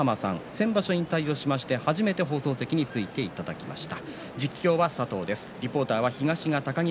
先場所、引退されまして初めて放送席についていただきました。